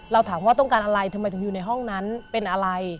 เราถามว่าต้องการอะไรทำไมถึงอยู่ในห้องนั้นเป็นอะไร